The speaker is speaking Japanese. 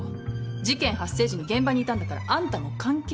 事件発生時に現場にいたんだったらあんたも関係者。